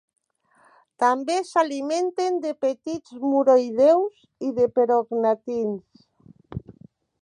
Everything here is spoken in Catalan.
També s'alimenten de petits muroïdeus i de perognatins.